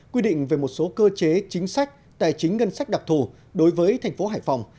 quy định về một số cơ chế chính sách tài chính ngân sách đặc thù đối với thành phố hải phòng